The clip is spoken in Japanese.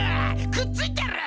くっついてる？